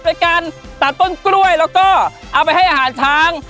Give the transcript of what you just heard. เป็นการตัดต้นกล้วยแล้วก็เอาไปให้อาหารช้าง